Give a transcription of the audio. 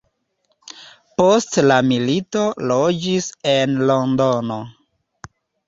Post la milito loĝis en Londono.